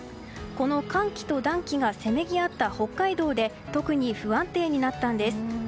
この寒気と暖気がせめぎ合った北海道で特に不安定になったんです。